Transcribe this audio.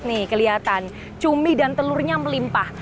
nih kelihatan cumi dan telurnya melimpah